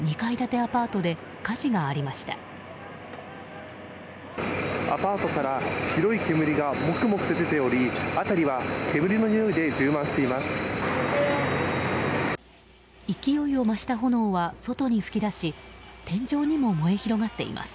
アパートから白い煙がもくもくと出ており辺りは煙の臭いで充満しています。